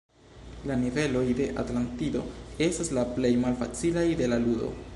La niveloj de Atlantido estas la plej malfacilaj de la ludo.